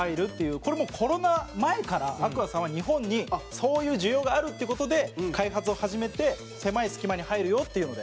これ、もうコロナ前からアクアさんは日本にそういう需要があるって事で開発を始めて狭い隙間に入るよっていうので。